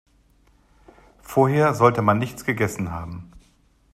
Vorher sollte man nichts gegessen haben.